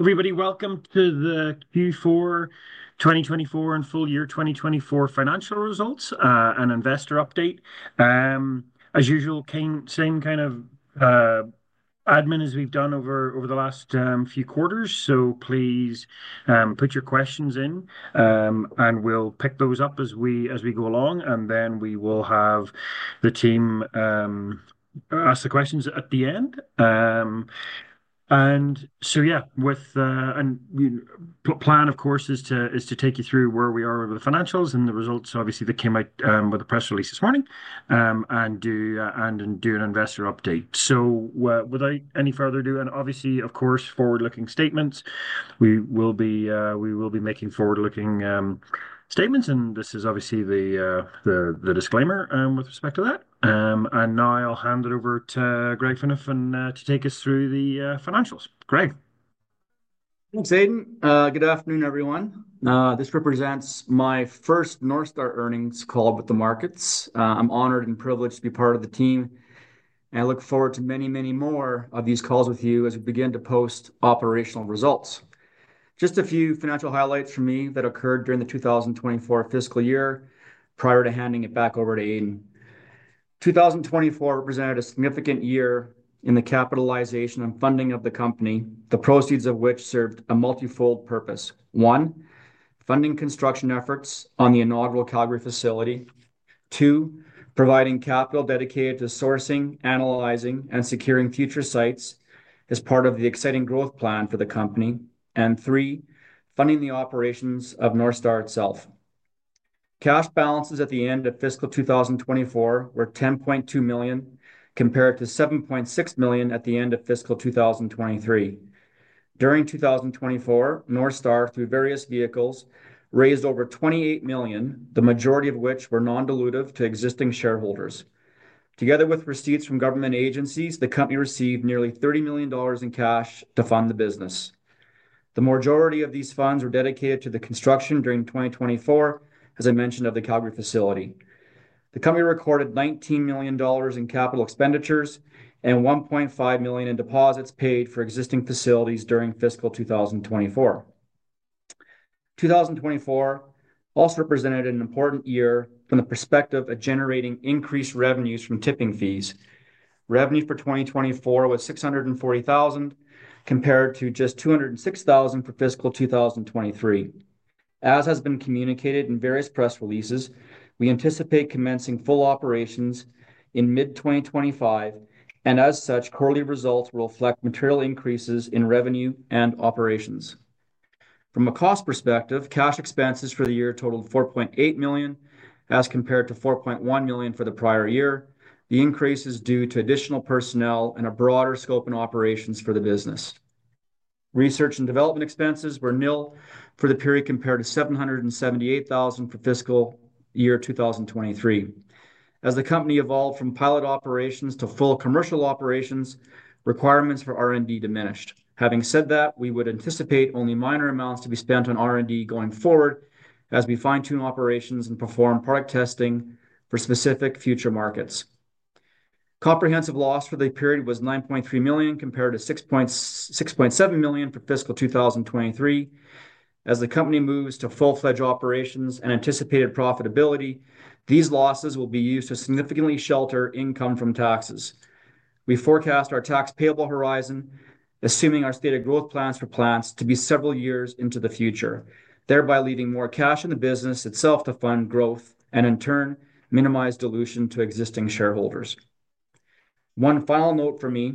Everybody, welcome to the Q4 2024 and full year 2024 financial results and investor update. As usual, same kind of admin as we've done over the last few quarters. Please put your questions in, and we'll pick those up as we go along, and then we will have the team ask the questions at the end. The plan, of course, is to take you through where we are with the financials and the results, obviously, that came out with the press release this morning, and do an investor update. Without any further ado, and obviously, of course, forward-looking statements, we will be making forward-looking statements, and this is obviously the disclaimer with respect to that. Now I'll hand it over to Greg Phaneuf to take us through the financials. Greg. Thanks, Aidan. Good afternoon, everyone. This represents my first Northstar earnings call with the markets. I'm honored and privileged to be part of the team, and I look forward to many, many more of these calls with you as we begin to post operational results. Just a few financial highlights for me that occurred during the 2024 fiscal year prior to handing it back over to Aidan. 2024 represented a significant year in the capitalization and funding of the company, the proceeds of which served a multifold purpose. One, funding construction efforts on the inaugural Calgary facility. Two, providing capital dedicated to sourcing, analyzing, and securing future sites as part of the exciting growth plan for the company. Three, funding the operations of Northstar itself. Cash balances at the end of fiscal 2024 were 10.2 million compared to 7.6 million at the end of fiscal 2023. During 2024, Northstar, through various vehicles, raised over 28 million, the majority of which were non-dilutive to existing shareholders. Together with receipts from government agencies, the company received nearly 30 million dollars in cash to fund the business. The majority of these funds were dedicated to the construction during 2024, as I mentioned, of the Calgary facility. The company recorded 19 million dollars in capital expenditures and 1.5 million in deposits paid for existing facilities during fiscal 2024. 2024 also represented an important year from the perspective of generating increased revenues from tipping fees. Revenue for 2024 was 640,000 compared to just 206,000 for fiscal 2023. As has been communicated in various press releases, we anticipate commencing full operations in mid-2025, and as such, quarterly results will reflect material increases in revenue and operations. From a cost perspective, cash expenses for the year totaled 4.8 million as compared to 4.1 million for the prior year. The increase is due to additional personnel and a broader scope in operations for the business. Research and development expenses were nil for the period compared to 778,000 for fiscal year 2023. As the company evolved from pilot operations to full commercial operations, requirements for R&D diminished. Having said that, we would anticipate only minor amounts to be spent on R&D going forward as we fine-tune operations and perform product testing for specific future markets. Comprehensive loss for the period was 9.3 million compared to 6.67 million for fiscal 2023. As the company moves to full-fledged operations and anticipated profitability, these losses will be used to significantly shelter income from taxes. We forecast our tax payable horizon, assuming our stated growth plans for plants to be several years into the future, thereby leaving more cash in the business itself to fund growth and, in turn, minimize dilution to existing shareholders. One final note for me,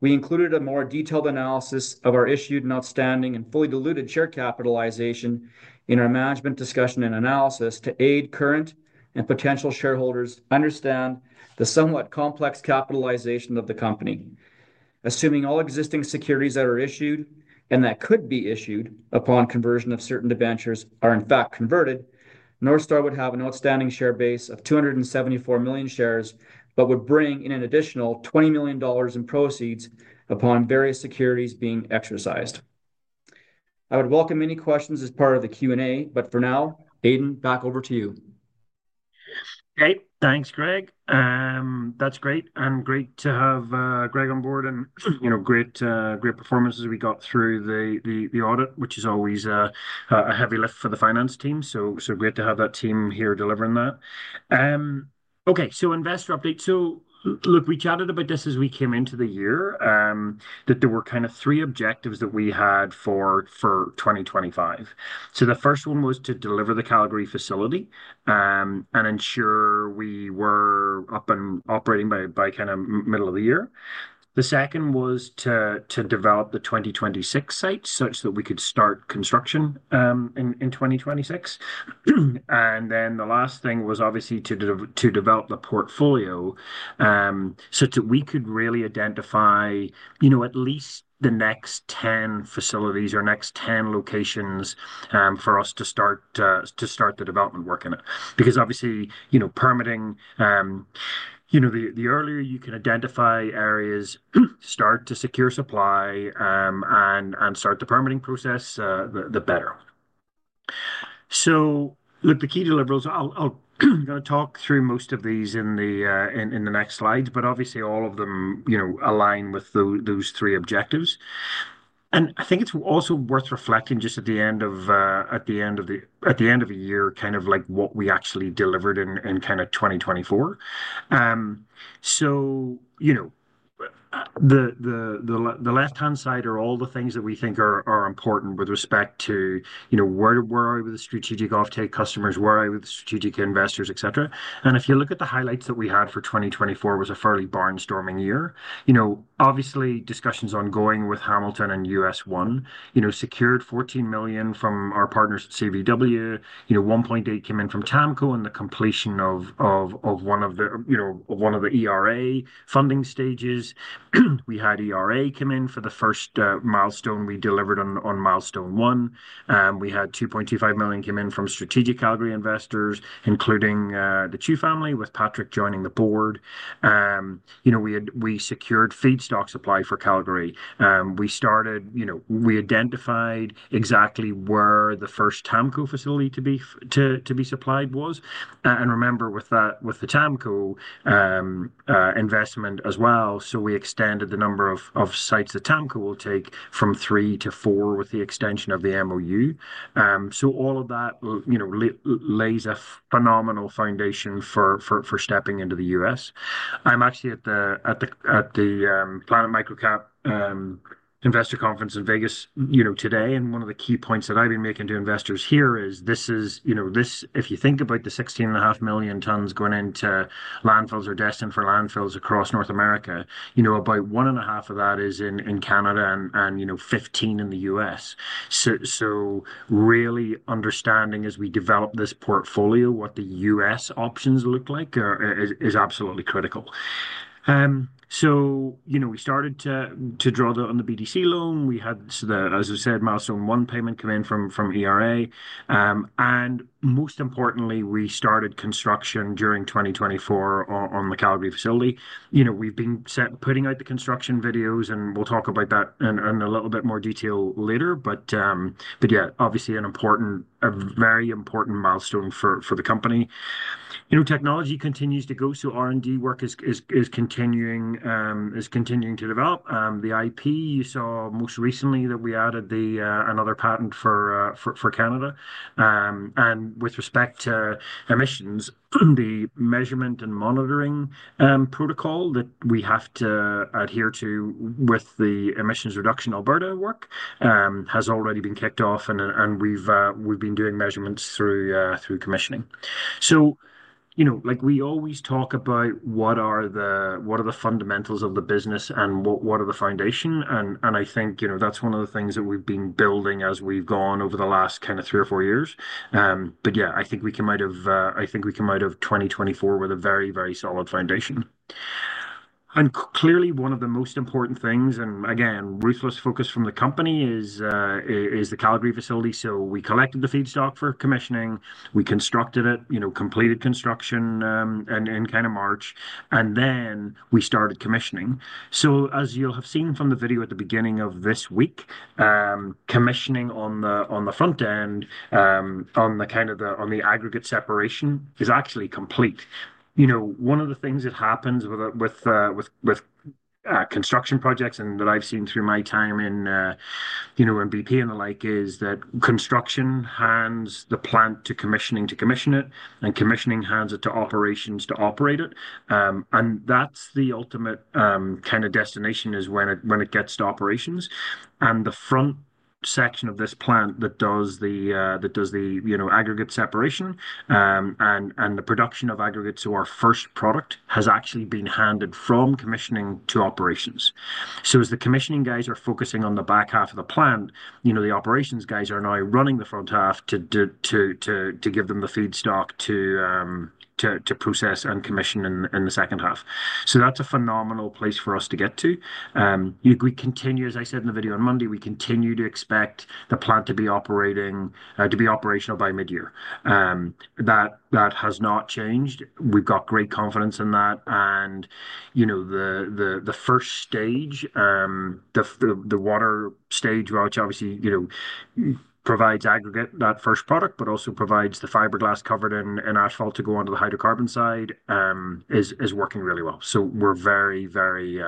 we included a more detailed analysis of our issued and outstanding and fully diluted share capitalization in our management discussion and analysis to aid current and potential shareholders understand the somewhat complex capitalization of the company. Assuming all existing securities that are issued and that could be issued upon conversion of certain debentures are in fact converted, Northstar would have an outstanding share base of 274 million shares but would bring in an additional 20 million dollars in proceeds upon various securities being exercised. I would welcome any questions as part of the Q&A, but for now, Aidan, back over to you. Great. Thanks, Greg. That's great. Great to have Greg on board and, you know, great performances we got through the audit, which is always a heavy lift for the finance team. Great to have that team here delivering that. Okay, investor update. We chatted about this as we came into the year, that there were kind of three objectives that we had for 2025. The first one was to deliver the Calgary facility, and ensure we were up and operating by kind of middle of the year. The second was to develop the 2026 site such that we could start construction in 2026. The last thing was obviously to develop the portfolio, such that we could really identify, you know, at least the next 10 facilities or next 10 locations for us to start the development work in it. Because obviously, you know, permitting, you know, the earlier you can identify areas, start to secure supply, and start the permitting process, the better. Look, the key deliverables, I'm gonna talk through most of these in the next slides, but obviously all of them align with those three objectives. I think it's also worth reflecting just at the end of the year, kind of like what we actually delivered in kind of 2024. You know, the left-hand side are all the things that we think are important with respect to, you know, where are we with the strategic off-take customers, where are we with the strategic investors, et cetera. If you look at the highlights that we had for 2024, it was a fairly barnstorming year. You know, obviously discussions ongoing with Hamilton and U.S. One, you know, secured 14 million from our partners at CVW. You know, 1.8 million came in from TAMKO and the completion of one of the, you know, one of the ERA funding stages. We had ERA come in for the first milestone, we delivered on milestone one. We had 2.25 million come in from strategic Calgary investors, including the Chiu family with Patrick joining the board. You know, we secured feedstock supply for Calgary. We started, you know, we identified exactly where the first TAMKO facility to be, to, to be supplied was. And remember with that, with the TAMKO investment as well. We extended the number of, of sites that TAMKO will take from three to four with the extension of the MOU. All of that, you know, lays a phenomenal foundation for, for, for stepping into the U.S. I'm actually at the, at the, at the Planet Microcap investor conference in Las Vegas, you know, today. One of the key points that I've been making to investors here is this is, you know, this, if you think about the 16.5 million tons going into landfills or destined for landfills across North America, you know, about one and a half of that is in, in Canada and, and, you know, 15 in the U.S. Really understanding as we develop this portfolio, what the U.S. options look like is absolutely critical. You know, we started to draw on the BDC loan. We had the, as I said, milestone one payment come in from ERA. Most importantly, we started construction during 2024 on the Calgary facility. You know, we've been putting out the construction videos and we'll talk about that in a little bit more detail later. Yeah, obviously a very important milestone for the company. You know, technology continues to go. R&D work is continuing, is continuing to develop. The IP, you saw most recently that we added another patent for Canada. With respect to emissions, the measurement and monitoring protocol that we have to adhere to with the Emissions Reduction Alberta work has already been kicked off, and we've been doing measurements through commissioning. You know, like we always talk about what are the fundamentals of the business and what are the foundation. I think, you know, that's one of the things that we've been building as we've gone over the last three or four years. I think we come out of 2024 with a very, very solid foundation. Clearly one of the most important things, and again, ruthless focus from the company, is the Calgary facility. We collected the feedstock for commissioning, we constructed it, you know, completed construction in, in kind of March, and then we started commissioning. As you'll have seen from the video at the beginning of this week, commissioning on the, on the front end, on the kind of the, on the aggregate separation is actually complete. You know, one of the things that happens with construction projects and that I've seen through my time in, you know, in BP and the like is that construction hands the plant to commissioning to commission it and commissioning hands it to operations to operate it. That's the ultimate, kind of destination is when it, when it gets to operations and the front section of this plant that does the, that does the, you know, aggregate separation, and, and the production of aggregates. Our first product has actually been handed from commissioning to operations. As the commissioning guys are focusing on the back half of the plant, you know, the operations guys are now running the front half to give them the feedstock to process and commission in the second half. That's a phenomenal place for us to get to. You know, we continue, as I said in the video on Monday, we continue to expect the plant to be operating, to be operational by mid-year. That has not changed. We've got great confidence in that. You know, the first stage, the water stage, which obviously, you know, provides aggregate, that first product, but also provides the fiberglass covered in asphalt to go onto the hydrocarbon side, is working really well. We're very, very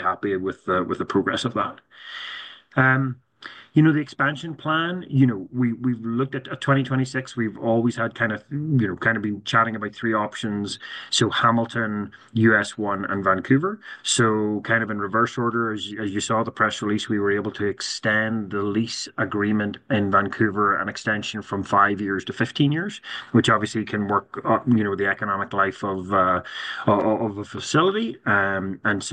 happy with the progress of that. You know, the expansion plan, you know, we've looked at 2026, we've always had kind of, you know, kind of been chatting about three options. Hamilton, U.S. One, and Vancouver. Kind of in reverse order, as you saw the press release, we were able to extend the lease agreement in Vancouver, an extension from five years to 15 years, which obviously can work, you know, the economic life of a facility. That's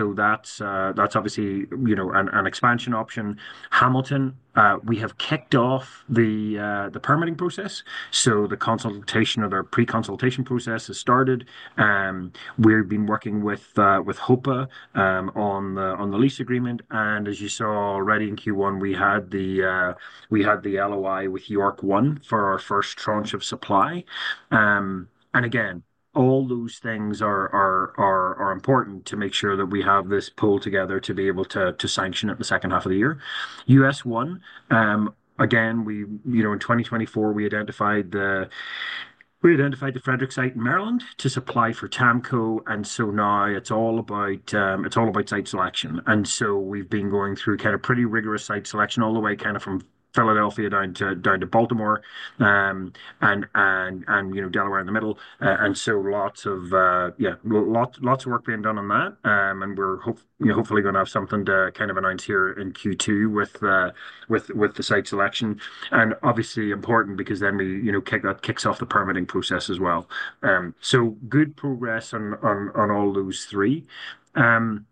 obviously, you know, an expansion option. Hamilton, we have kicked off the permitting process. The consultation or the pre-consultation process has started. We've been working with HOPA on the lease agreement. As you saw already in Q1, we had the LOI with York1 for our first tranche of supply. All those things are important to make sure that we have this pulled together to be able to sanction it in the second half of the year. U.S. One, again, in 2024, we identified the Frederick site in Maryland to supply for TAMKO. Now it is all about site selection. We have been going through pretty rigorous site selection all the way from Philadelphia down to Baltimore, and Delaware in the middle. Lots of work is being done on that. We're hope, you know, hopefully gonna have something to kind of announce here in Q2 with the site selection. Obviously important because then we, you know, that kicks off the permitting process as well. Good progress on all those three. I don't,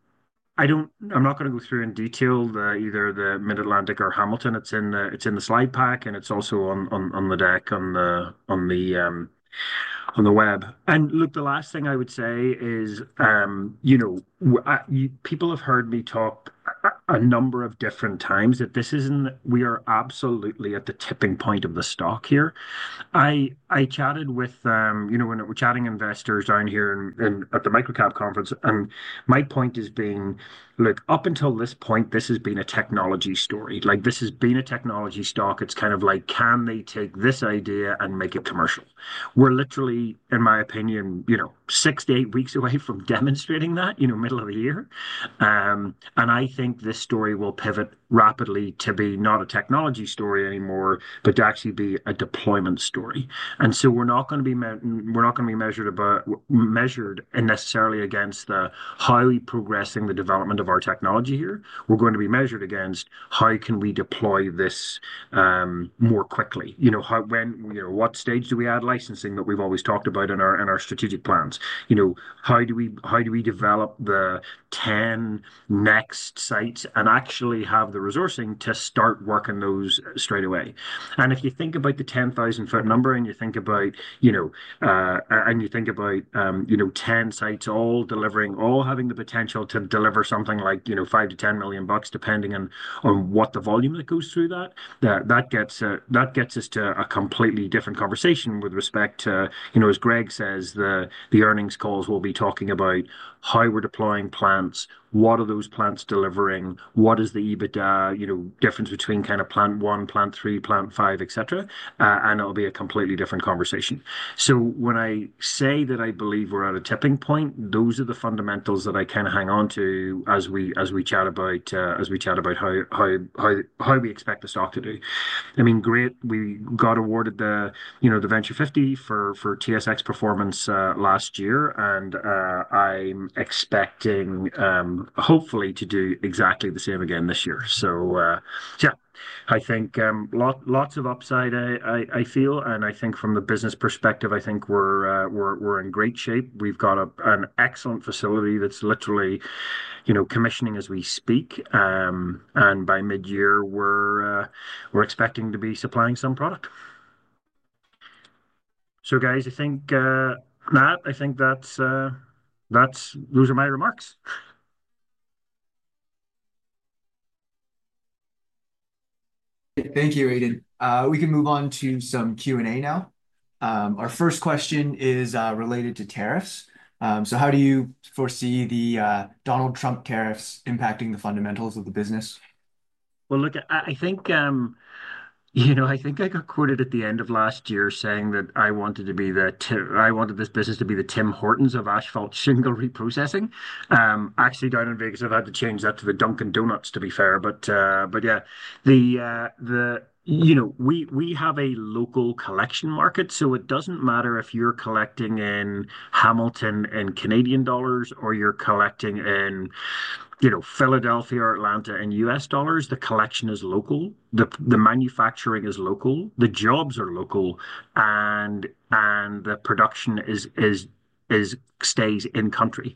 I'm not gonna go through in detail, either the Mid-Atlantic or Hamilton. It's in the slide pack and it's also on the deck, on the web. Look, the last thing I would say is, you know, you people have heard me talk a number of different times that this isn't, we are absolutely at the tipping point of the stock here. I chatted with, you know, when we were chatting investors down here at the Microcap conference. My point has been, look, up until this point, this has been a technology story. Like this has been a technology stock. It's kind of like, can they take this idea and make it commercial? We're literally, in my opinion, you know, six to eight weeks away from demonstrating that, you know, middle of the year. I think this story will pivot rapidly to be not a technology story anymore, but to actually be a deployment story. We are not gonna be measured, we're not gonna be measured about, measured necessarily against the highly progressing the development of our technology here. We're going to be measured against how can we deploy this, more quickly, you know, how, when, you know, what stage do we add licensing that we've always talked about in our, in our strategic plans? You know, how do we, how do we develop the 10 next sites and actually have the resourcing to start working those straight away? If you think about the 10,000 foot number and you think about, you know, 10 sites all delivering, all having the potential to deliver something like, you know, 5 million-10 million bucks, depending on what the volume that goes through that, that gets us to a completely different conversation with respect to, you know, as Greg says, the earnings calls, we'll be talking about how we're deploying plants, what are those plants delivering, what is the EBITDA, you know, difference between kind of plant one, plant three, plant five, et cetera. It will be a completely different conversation. When I say that I believe we're at a tipping point, those are the fundamentals that I can hang on to as we chat about how we expect the stock to do. I mean, great. We got awarded the, you know, the Venture 50 for TSX performance last year. And I'm expecting, hopefully, to do exactly the same again this year. Yeah, I think, lots of upside. I feel, and I think from the business perspective, I think we're in great shape. We've got an excellent facility that's literally, you know, commissioning as we speak, and by mid-year, we're expecting to be supplying some product. Guys, I think that, I think that's, those are my remarks. Thank you, Aidan. We can move on to some Q&A now. Our first question is related to tariffs. How do you foresee the Donald Trump tariffs impacting the fundamentals of the business? I think, you know, I think I got quoted at the end of last year saying that I wanted to be the, I wanted this business to be the Tim Hortons of asphalt shingle reprocessing. Actually, down in Vegas, I've had to change that to the Dunkin' Donuts, to be fair. Yeah, you know, we have a local collection market. It doesn't matter if you're collecting in Hamilton in Canadian dollars or you're collecting in Philadelphia or Atlanta in U.S. Dollars. The collection is local. The manufacturing is local. The jobs are local and the production stays in country.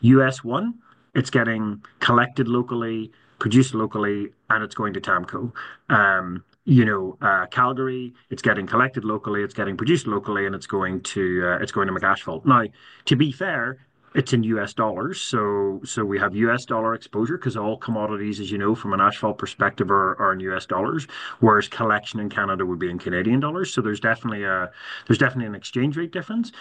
U.S. One, it's getting collected locally, produced locally, and it's going to TAMKO. You know, Calgary, it's getting collected locally, it's getting produced locally, and it's going to, it's going to McAsphalt. Now, to be fair, it's in U.S. dollars. So we have U.S. dollars exposure 'cause all commodities, as you know, from an asphalt perspective are in U.S. dollars, whereas collection in Canada would be in Canadian dollars. So there's definitely a, there's definitely an exchange rate difference.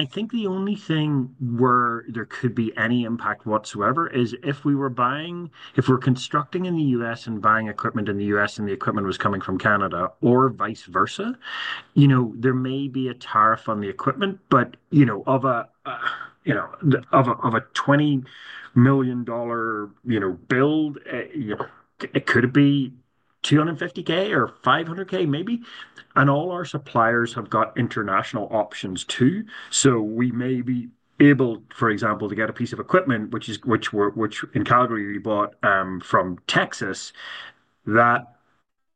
I think the only thing where there could be any impact whatsoever is if we were buying, if we're constructing in the U.S. and buying equipment in the U.S. and the equipment was coming from Canada or vice versa, you know, there may be a tariff on the equipment, but you know, of a $20 million build, you know, it could be $250,000 or $500,000 maybe. All our suppliers have got international options too. We may be able, for example, to get a piece of equipment, which in Calgary we bought from Texas, that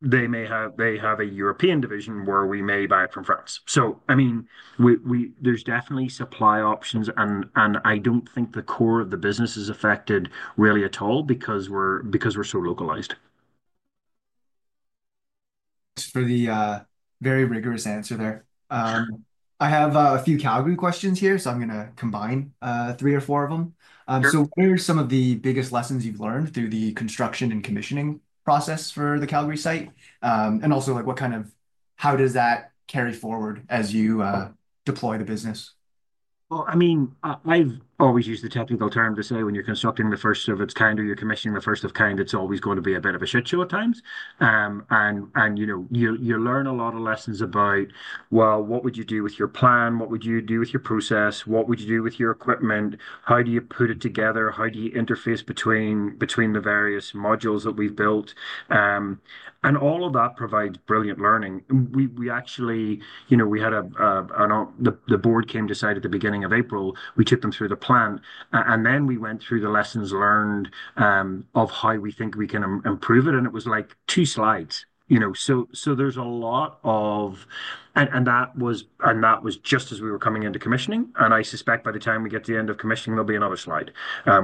they may have a European division where we may buy it from France. I mean, we, we, there's definitely supply options and I don't think the core of the business is affected really at all because we're so localized. Thanks for the very rigorous answer there. I have a few Calgary questions here, so I'm gonna combine three or four of them. What are some of the biggest lessons you've learned through the construction and commissioning process for the Calgary site? Also, like, what kind of, how does that carry forward as you deploy the business? I mean, I've always used the technical term to say when you're constructing the first of its kind or you're commissioning the first of kind, it's always gonna be a bit of a shit show at times. You know, you learn a lot of lessons about, well, what would you do with your plan? What would you do with your process? What would you do with your equipment? How do you put it together? How do you interface between the various modules that we've built? All of that provides brilliant learning. We actually, you know, we had a, the board came to decide at the beginning of April, we took them through the plan and then we went through the lessons learned, of how we think we can improve it. It was like two slides, you know. There is a lot of, and that was just as we were coming into commissioning. I suspect by the time we get to the end of commissioning, there will be another slide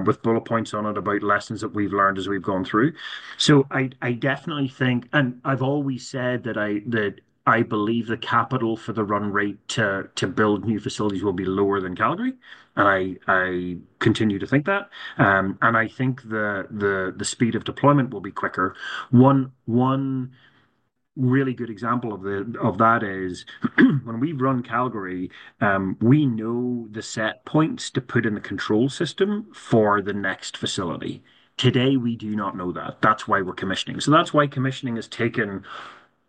with bullet points on it about lessons that we've learned as we've gone through. I definitely think, and I've always said that I believe the capital for the run rate to build new facilities will be lower than Calgary. I continue to think that. I think the speed of deployment will be quicker. One really good example of that is when we've run Calgary, we know the set points to put in the control system for the next facility. Today we do not know that. That's why we're commissioning. That's why commissioning has taken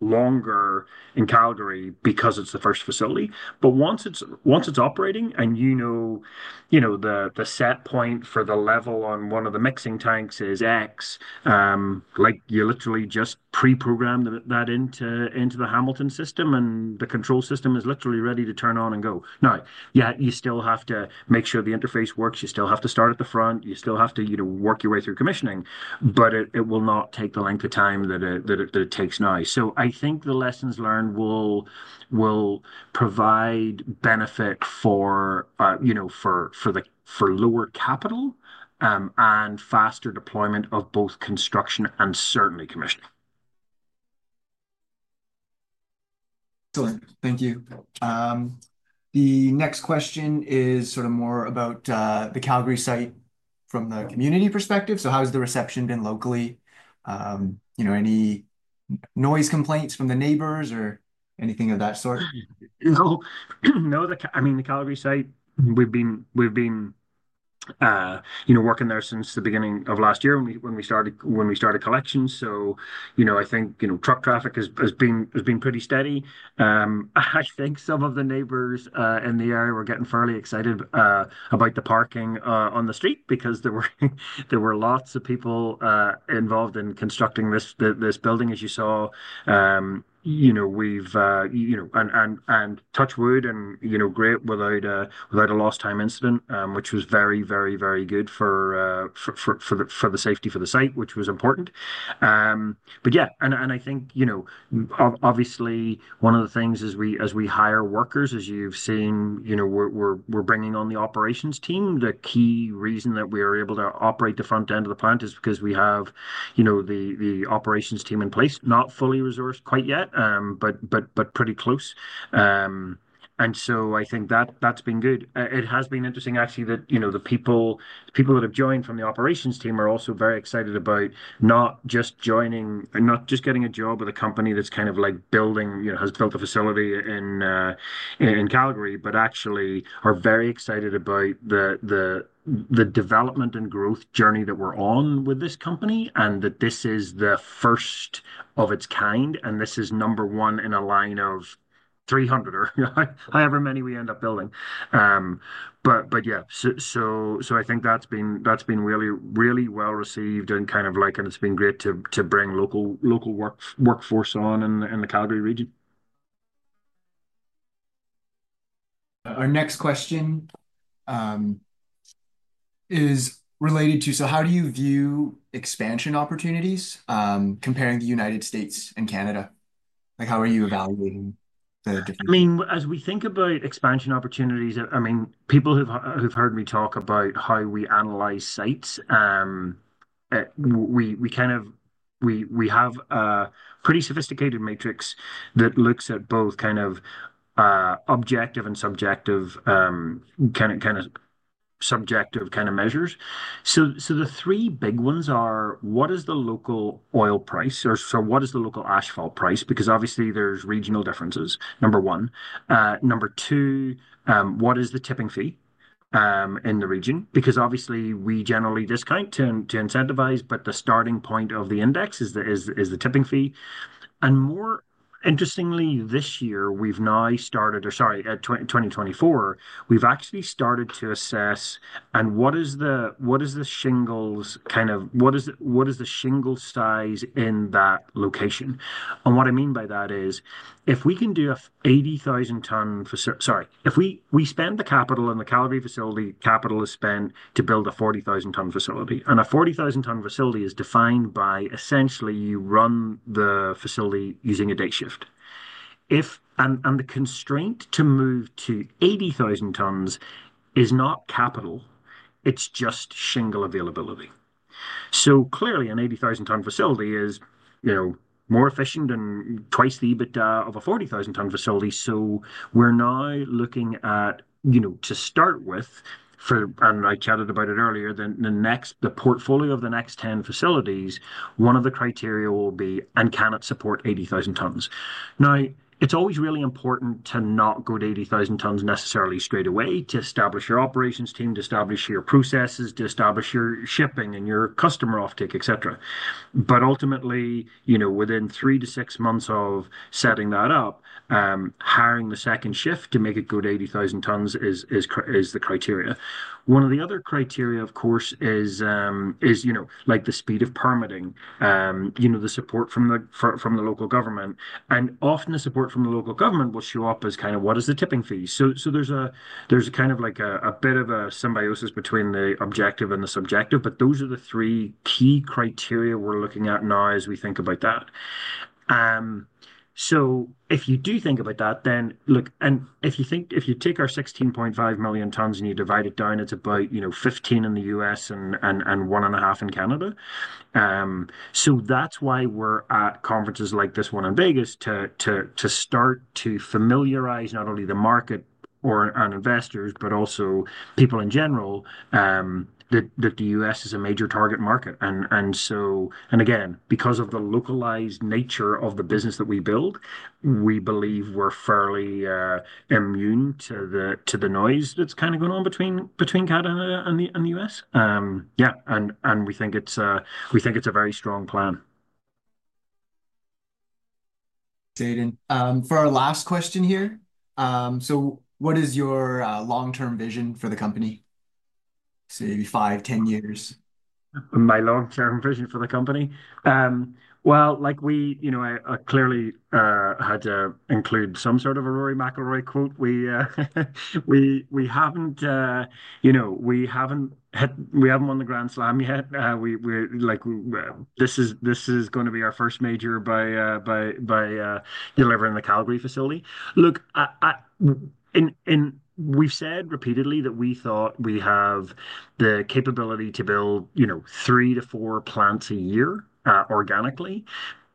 longer in Calgary because it's the first facility. Once it's operating and you know, you know, the set point for the level on one of the mixing tanks is X, like you literally just pre-program that into the Hamilton system and the control system is literally ready to turn on and go. Now, you still have to make sure the interface works. You still have to start at the front. You still have to, you know, work your way through commissioning, but it will not take the length of time that it takes now. I think the lessons learned will provide benefit for, you know, for lower capital, and faster deployment of both construction and certainly commissioning. Excellent. Thank you. The next question is sort of more about the Calgary site from the community perspective. How has the reception been locally? You know, any noise complaints from the neighbors or anything of that sort? No, no, the, I mean, the Calgary site, we've been, we've been, you know, working there since the beginning of last year when we, when we started, when we started collection. So, you know, I think, you know, truck traffic has, has been, has been pretty steady. I think some of the neighbors in the area were getting fairly excited about the parking on the street because there were, there were lots of people involved in constructing this, this, this building, as you saw. You know, we've, you know, and touch wood and, you know, great without, without a lost time incident, which was very, very, very good for, for, for, for the, for the safety for the site, which was important. Yeah, and I think, you know, obviously one of the things as we hire workers, as you've seen, you know, we're bringing on the operations team. The key reason that we are able to operate the front end of the plant is because we have, you know, the operations team in place. Not fully resourced quite yet, but pretty close. I think that that's been good. It has been interesting actually that, you know, the people, people that have joined from the operations team are also very excited about not just joining, not just getting a job with a company that's kind of like building, you know, has built a facility in, in Calgary, but actually are very excited about the, the, the development and growth journey that we're on with this company and that this is the first of its kind and this is number one in a line of 300 or however many we end up building. Yeah, so, so, so I think that's been, that's been really, really well received and kind of like, and it's been great to, to bring local, local work, workforce on in, in the Calgary region. Our next question is related to, so how do you view expansion opportunities, comparing the United States and Canada? Like how are you evaluating the different? I mean, as we think about expansion opportunities, I mean, people who've, who've heard me talk about how we analyze sites, we kind of, we have a pretty sophisticated matrix that looks at both kind of objective and subjective, kind of subjective measures. The three big ones are, what is the local oil price or, what is the local asphalt price? Because obviously there's regional differences. Number one, number two, what is the tipping fee in the region? Because obviously we generally discount to incentivize, but the starting point of the index is the tipping fee. More interestingly, this year we've now started, or sorry, at 2024, we've actually started to assess and what is the, what is the shingles kind of, what is the, what is the shingle size in that location? What I mean by that is if we can do a 80,000 ton for, sorry, if we spend the capital and the Calgary facility capital is spent to build a 40,000 ton facility and a 40,000 ton facility is defined by essentially you run the facility using a day shift. If the constraint to move to 80,000 tons is not capital, it's just shingle availability. Clearly an 80,000 ton facility is, you know, more efficient and twice the EBITDA of a 40,000 ton facility. We're now looking at, you know, to start with for, and I chatted about it earlier, then the next, the portfolio of the next 10 facilities, one of the criteria will be and cannot support 80,000 tons. Now it's always really important to not go to 80,000 tons necessarily straight away to establish your operations team, to establish your processes, to establish your shipping and your customer offtake, et cetera. Ultimately, you know, within three to six months of setting that up, hiring the second shift to make it good 80,000 tons is, is, is the criteria. One of the other criteria, of course, is, is, you know, like the speed of permitting, you know, the support from the local government. Often the support from the local government will show up as kind of what is the tipping fee. There's a kind of like a bit of a symbiosis between the objective and the subjective, but those are the three key criteria we're looking at now as we think about that. If you do think about that, then look, and if you think, if you take our 16.5 million tons and you divide it down, it's about, you know, 15 in the U.S. and one and a half in Canada. That's why we're at conferences like this one in Vegas to start to familiarize not only the market or investors, but also people in general, that the U.S. is a major target market. And again, because of the localized nature of the business that we build, we believe we're fairly immune to the noise that's kind of going on between Canada and the U.S. Yeah. We think it's a very strong plan. Exciting. For our last question here, what is your long-term vision for the company? Say maybe five, 10 years. My long-term vision for the company, like we, you know, I clearly had to include some sort of a Rory McIlroy quote. We haven't, you know, we haven't had, we haven't won the Grand Slam yet. We're like, this is going to be our first major by delivering the Calgary facility. Look, I, I, we've said repeatedly that we thought we have the capability to build, you know, three to four plants a year, organically.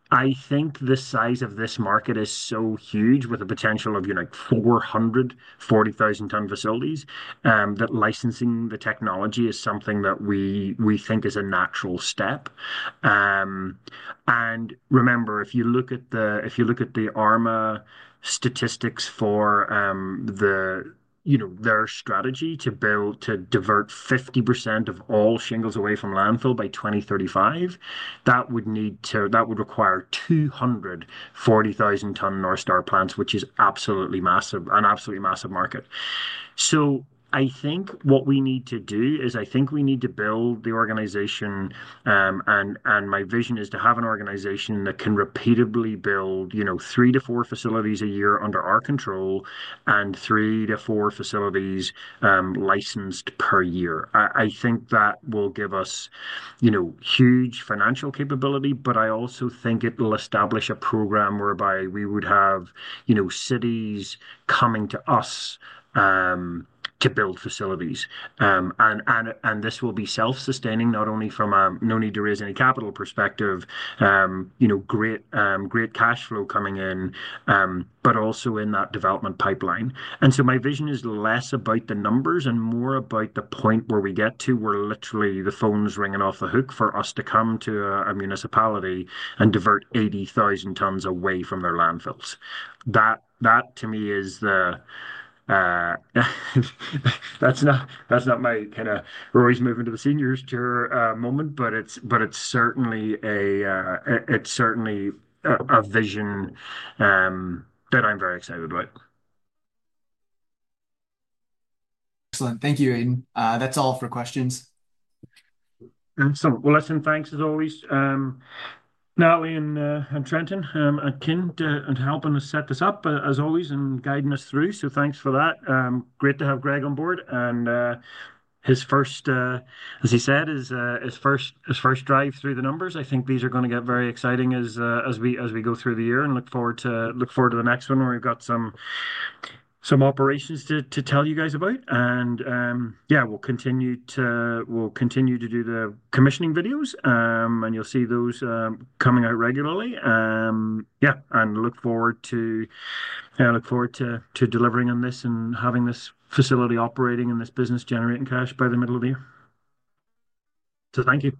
I think the size of this market is so huge with a potential of, you know, like 440,000 ton facilities, that licensing the technology is something that we think is a natural step. Remember, if you look at the, if you look at the ARMA statistics for, you know, their strategy to build, to divert 50% of all shingles away from landfill by 2035, that would require 240,000 ton Northstar plants, which is absolutely massive, an absolutely massive market. I think what we need to do is I think we need to build the organization, and my vision is to have an organization that can repeatedly build three to four facilities a year under our control and three to four facilities licensed per year. I think that will give us, you know, huge financial capability, but I also think it will establish a program whereby we would have, you know, cities coming to us to build facilities. And this will be self-sustaining, not only from a no need to raise any capital perspective, you know, great, great cash flow coming in, but also in that development pipeline. My vision is less about the numbers and more about the point where we get to where literally the phone's ringing off the hook for us to come to a municipality and divert 80,000 tons away from their landfills. That, that to me is the, that's not, that's not my kind of rise moving to the seniors tour moment, but it's certainly a vision that I'm very excited about. Excellent. Thank you, Aidan. That's all for questions. Excellent. Thank you as always, Natalie and Trenton and Ken, for helping us set this up as always and guiding us through. Thank you for that. Great to have Greg on board and, as he said, his first drive through the numbers. I think these are gonna get very exciting as we go through the year and look forward to the next one where we've got some operations to tell you guys about. Yeah, we'll continue to do the commissioning videos, and you'll see those coming out regularly. Yeah, look forward to delivering on this and having this facility operating and this business generating cash by the middle of the year. Thank you.